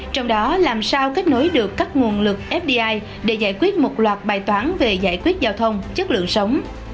trong đó làm sao kết nối được các nguồn lực fdi để giải quyết một loạt bài toán về giải quyết giao thông chất lượng sống